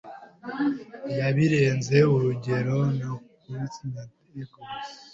ya birenze urugero monoculturing egos